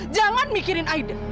jangan mikirin aida